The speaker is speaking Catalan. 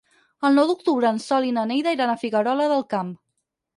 El nou d'octubre en Sol i na Neida iran a Figuerola del Camp.